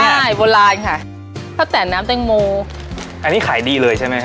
ใช่โบราณค่ะถ้าแต่น้ำแตงโมอันนี้ขายดีเลยใช่ไหมฮ